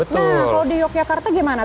nah kalau di yogyakarta gimana